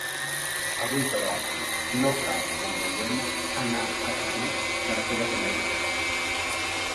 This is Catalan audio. Avui però, no cal, com veiem, anar a Perú per a fer les Amèriques.